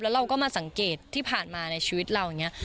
เราก็มาสังเกตที่ผ่านมาในชีวิตเราอย่างนี้